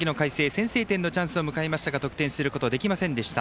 先制点のチャンスを迎えましたが得点することはできませんでした。